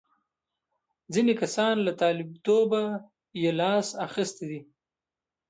ځینې کسان له طالبتوبه یې لاس اخیستی دی.